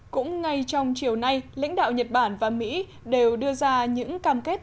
cũng ngay trong chiều nay lãnh đạo nhật bản và mỹ đều đưa ra những cam kết